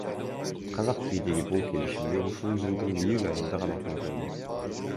Казак бийлиги бул келишимге ушул жылдын июль айында гана кол койду.